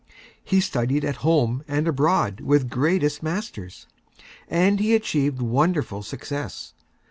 He studied at Home and Abroad with Greatest Masters, and he Achieved Wonderful Success.